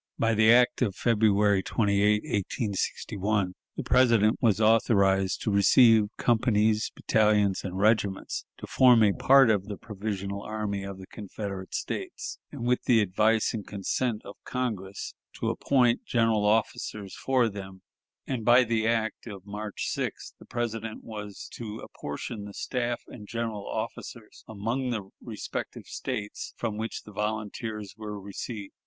By the act of February 28, 1861, the President was authorized to receive companies, battalions, and regiments to form a part of the provisional army of the Confederate States, and, with the advice and consent of Congress, to appoint general officers for them; and by the act of March 6th the President was to apportion the staff and general officers among the respective States from which the volunteers were received.